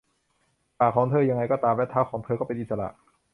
ปากของเธอ ยังไงก็ตาม และเท้าของเธอก็เป็นอิสระ